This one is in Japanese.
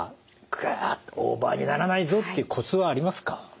ガッオーバーにならないぞっていうコツはありますか？